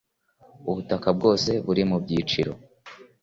ubutaka bwose buri mu byiciro